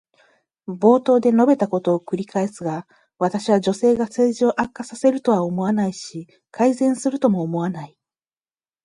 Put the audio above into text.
冒頭で述べたことを繰り返すが、私は女性が政治を悪化させるとは思わないし、改善するとも思わない。